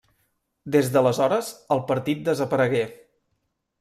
Des d'aleshores el partit desaparegué.